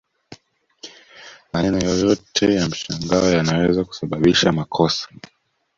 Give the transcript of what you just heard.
Maneno yoyote ya mshangao yanaweza kusababisha makosa